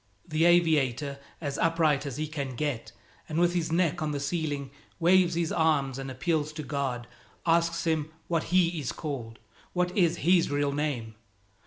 The aviator, as upright as he can get and with his neck on the ceiling, waves his arms and appeals to God, asks Him what He is called, what is His real name.